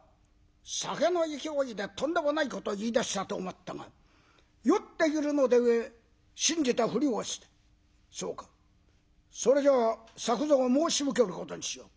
酒の勢いでとんでもないことを言いだしたと思ったが酔っているので信じたふりをして「そうか。それでは作蔵を申し受けることにしよう。